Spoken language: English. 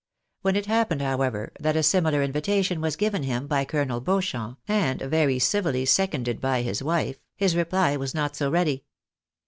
When it happened, however, that a similar invitation was given him by Colonel Beauchamp, and very civilly seconded by his wife, his reply was not so ready.